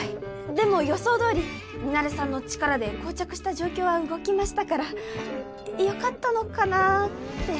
でも予想どおりミナレさんの力で膠着した状況は動きましたからよかったのかなって。